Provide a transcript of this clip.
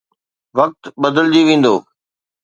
وقت بدلجي ويندو.